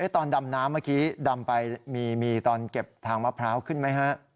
ตอนดำน้ำเมื่อกี้ดำไปมีตอนเก็บทางมะพร้าวขึ้นไหมฮะ